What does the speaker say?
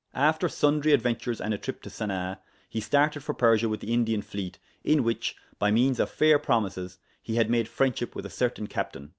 After sundry adventures and a trip to Sanaa, he started for Persia with the Indian fleet, in which, by means of fair promises, he had made friendship with a certain captain.